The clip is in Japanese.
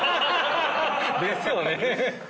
ですよね！